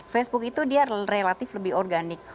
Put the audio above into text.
facebook itu dia relatif lebih organik